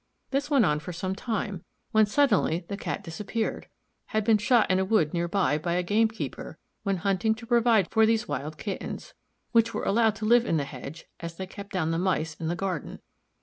This went on for some time, when suddenly the Cat disappeared had been shot in a wood near by, by a game keeper, when hunting to provide for these wild kittens, which were allowed to live in the hedge, as they kept down the Mice in the garden.